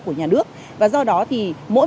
của nhà nước và do đó thì mỗi